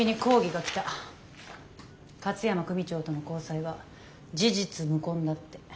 勝山組長との交際は事実無根だって。